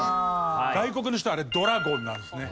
外国の人あれドラゴンなんですね。